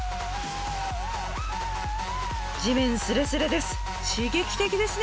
地面すれすれです！